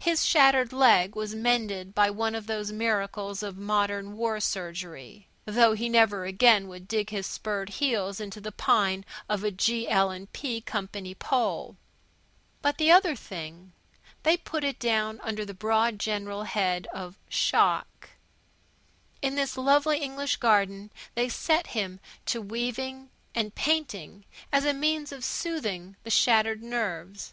His shattered leg was mended by one of those miracles of modern war surgery, though he never again would dig his spurred heels into the pine of a G.L. & P. Company pole. But the other thing they put it down under the broad general head of shell shock. In the lovely English garden they set him to weaving and painting, as a means of soothing the shattered nerves.